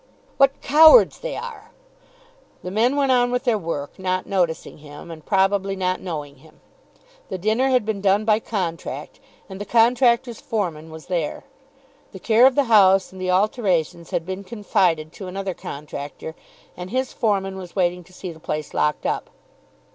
"What cowards they are!" The men went on with their work, not noticing him, and probably not knowing him. The dinner had been done by contract, and the contractor's foreman was there. The care of the house and the alterations had been confided to another contractor, and his foreman was waiting to see the place locked up.